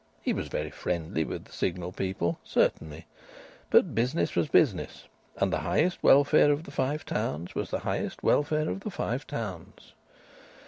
He was very friendly with the Signal people certainly; but business was business, and the highest welfare of the Five Towns was the highest welfare of the Five Towns.